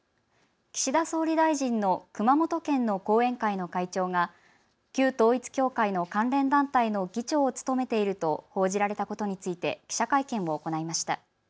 岸田総理大臣の熊本県の後援会の会長が旧統一教会の関連団体の議長を務めていると報じられたことについて記者会見を行いました。